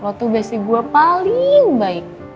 lo tuh biasanya gue paling baik